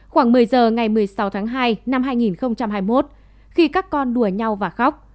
khoảng một mươi giờ ngày một mươi sáu tháng hai năm hai nghìn hai mươi một khi các con đùa nhau và khóc